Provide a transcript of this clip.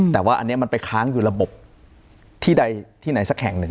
แต่ว่าอันนี้มันไปค้างอยู่ระบบที่ใดที่ไหนสักแห่งหนึ่ง